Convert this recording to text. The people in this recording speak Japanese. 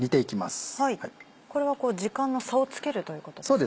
これは時間の差をつけるということですか？